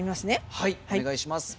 はいおねがいします。